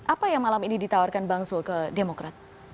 apa yang malam ini ditawarkan bang zul ke demokrat